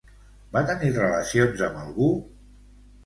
Va tenir relacions amb algú?